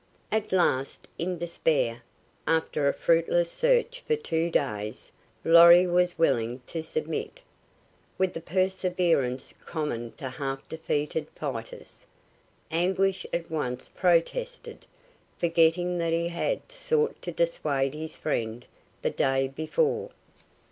At last, in despair, after a fruitless search of two days, Lorry was willing to submit. With the perverseness common to half defeated fighters, Anguish at once protested, forgetting that he had sought to dissuade his friend the day before.